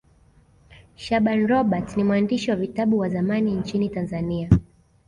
shaaban robert ni mwandishi wa vitabu wa zamani nchini tanzania